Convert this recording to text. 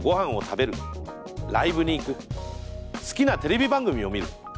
好きなテレビ番組を見る。